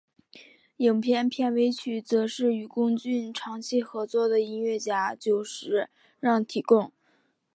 影片片尾曲则是与宫崎骏长期合作的音乐家久石让提供。